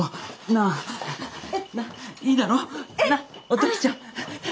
お時ちゃん！